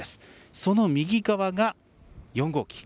その右側が４号機。